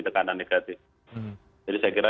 tekanan negatif jadi saya kira